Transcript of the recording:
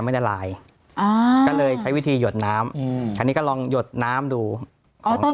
ไม่ได้ลายอ่าก็เลยใช้วิธีหยดน้ำอืมอันนี้ก็ลองหยดน้ำดูของ